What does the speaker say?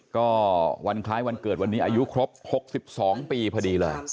ก็วันคล้ายวันเกิดวันนี้อายุครบ๖๒ปีพอดีเลย